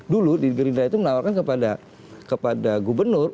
dulu di gerindra itu menawarkan kepada gubernur